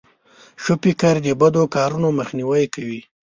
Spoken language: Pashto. ښه فکر د بدو کارونو مخنیوی کوي.